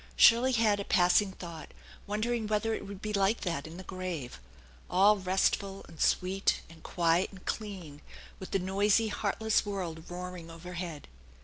Shirley had a pass ing thought, wondering whether it would be like that in the grave, all restful and sweet and quiet and clean, with the THE ENCHANTED BARN 11 noisy, heartless world roaring overhead.